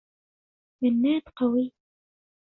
منّاد قوي.